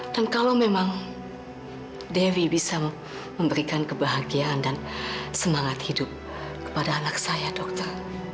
dan kalau memang dewi bisa memberikan kebahagiaan dan semangat hidup kepada anak saya dokter